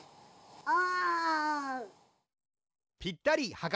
お！